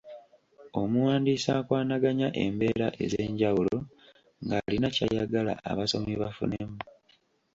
Omuwandiisi akwanaganya embeera ez'enjawulo ng'alina ky'ayagala abasomi bafunemu.